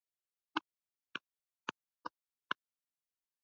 ibada zao huandikwa na hujulikana kama Liturujia Madhehebu mengine